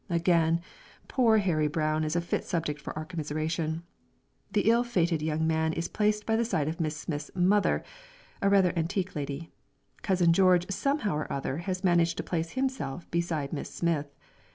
Again poor Harry Brown is a fit subject for our commiseration. The ill fated young man is placed by the side of Miss Smith's mother, a rather antique lady; Cousin George somehow or other, has managed to place himself beside Miss Smith.